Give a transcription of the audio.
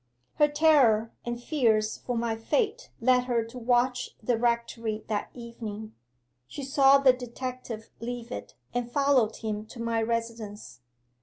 'Her terror, and fears for my fate, led her to watch the rectory that evening. She saw the detective leave it, and followed him to my residence.